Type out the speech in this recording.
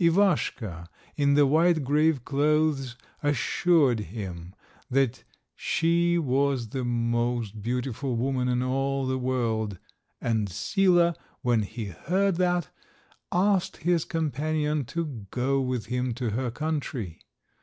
Ivaschka, in the white grave clothes, assured him that she was the most beautiful woman in all the world, and Sila, when he heard that, asked his companion to go with him to her country.